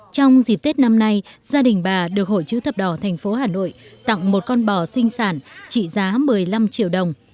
trong dịp tết năm nay gia đình bà được hội chữ thập đỏ thành phố hà nội tặng một con bò sinh sản trị giá một mươi năm triệu đồng